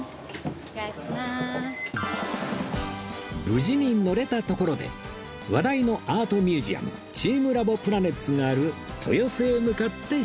無事に乗れたところで話題のアートミュージアムチームラボプラネッツがある豊洲へ向かって出発です